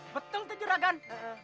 betul tuh juragan